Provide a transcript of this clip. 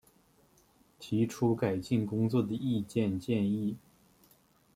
提出改进工作的意见建议